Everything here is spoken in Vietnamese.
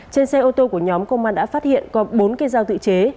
trên xe ô tô của nhóm công an đã phát hiện có bốn cây dao tự chế